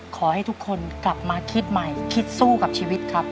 ขอให้ทุกคนกลับมาคิดใหม่คิดสู้กับชีวิตครับ